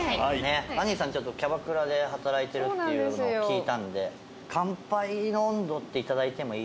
あにーさんちょっとキャバクラで働いてるっていうのを聞いたので乾杯の音頭って頂いてもいいですか？